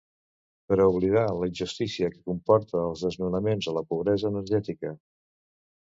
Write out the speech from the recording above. Per a oblidar la injustícia que comporta els desnonaments o la pobresa energètica.